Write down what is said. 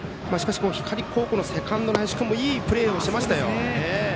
光高校のセカンドいいプレーをしましたよ。